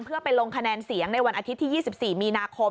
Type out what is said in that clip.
เพื่อไปลงคะแนนเสียงในวันอาทิตย์ที่๒๔มีนาคม